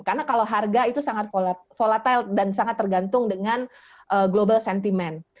karena kalau harga itu sangat volatile dan sangat tergantung dengan global sentiment